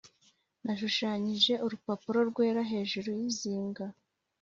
nashushanyije urupapuro rwera hejuru yizinga